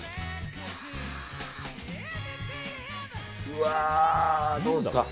うわー、どうですか。